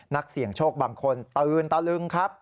นักเสี่ยงโชคบางคนตื่นตะลึงครับ